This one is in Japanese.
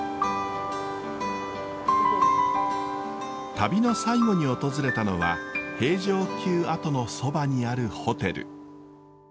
旅の最後に訪れたのは平城宮跡のそばにあるホテル。